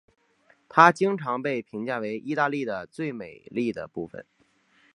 它经常被评价为意大利的最美丽的部分。